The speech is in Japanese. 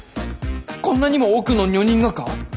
こんなにも多くの女人がか？